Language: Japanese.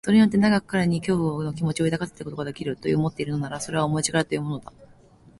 それによって長く彼に恐怖の気持を抱かせておくことができる、と思っているのなら、それは思いちがいというものだ。